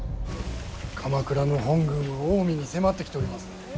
鎌倉の本軍は近江に迫ってきております。